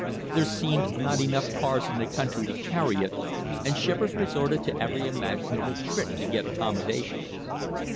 There seemed not enough cars in the country to carry it and shippers resorted to every imag inable trick to get accommodations.